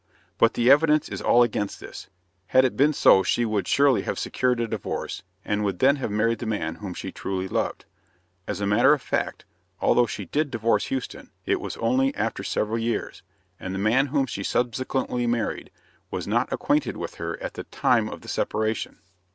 But the evidence is all against this. Had it been so she would surely have secured a divorce and would then have married the man whom she truly loved. As a matter of fact, although she did divorce Houston, it was only after several years, and the man whom she subsequently married was not acquainted with her at the time of the separation.